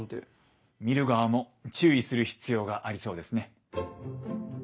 見る側も注意する必要がありそうですね。